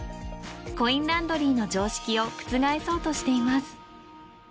コインランドリーの常識を覆そうとしています。